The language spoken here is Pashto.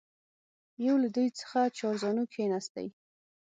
یو له دوی څخه چارزانو کښېنستی.